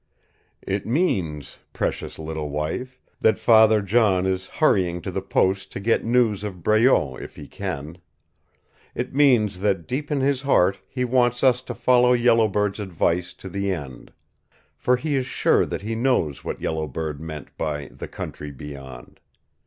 "It means, precious little wife, that Father John is hurrying to the post to get news of Breault if he can. It means that deep in his heart he wants us to follow Yellow Bird's advice to the end. For he is sure that he knows what Yellow Bird meant by 'The Country Beyond.'